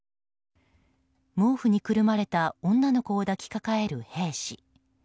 毛布にくるまれた女の子を抱きかかえる兵士。